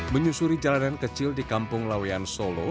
menyusuri jalanan kecil di kampung lawean solo